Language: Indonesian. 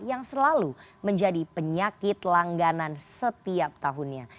yang selalu menjadi penyakit langganan setiap tahunnya